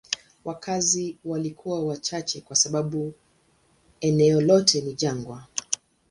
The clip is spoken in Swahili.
Wakazi walikuwa wachache kwa sababu eneo lote ni jangwa.